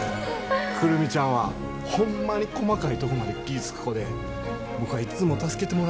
久留美ちゃんはホンマに細かいとこまで気ぃ付く子で僕はいっつも助けてもらってて。